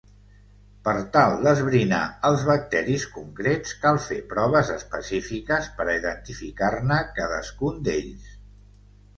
Per tal d'esbrinar els bacteris concrets cal fer proves específiques per a identificar-ne cadascun d'ells.